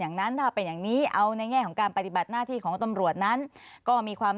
อย่างนั้นถ้าเป็นอย่างนี้เอาในแง่ของการปฏิบัติหน้าที่ของตำรวจนั้นก็มีความ